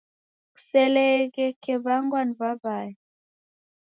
Kuseleghe kew'angwa ni w'aw'ayo